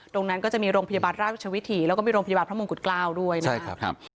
ตรงนั้นก็จะมีโรงพยาบาลราชวิถีแล้วก็มีโรงพยาบาลพระมงกุฎเกล้าด้วยนะครับ